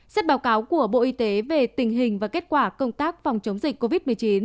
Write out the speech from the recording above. xét báo cáo của bộ y tế về tình hình và kết quả công tác phòng chống dịch covid một mươi chín